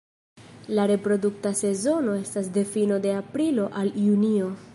La reprodukta sezono estas de fino de aprilo al junio.